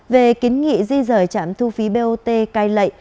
về kiến nghị di rời trạm thu phí bot cai lệ